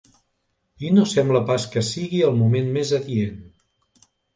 I no sembla pas que sigui el moment més adient.